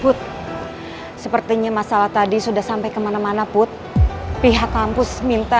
put sepertinya masalah tadi sudah sampai kemana mana put pihak kampus minta